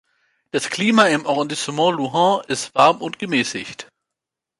Das Klima im "Arrondissement Louhans" ist warm und gemäßigt.